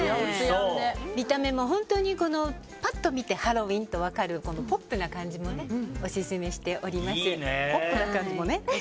見た目も本当にパッと見てハロウィーンと分かるポップな感じもオススメしております。